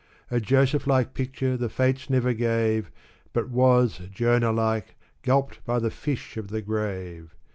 A Joseph like picture the Fates never gave. But was, Jonah like, gulped by the iish of the grave.